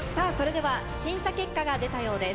審査結果が出たようです。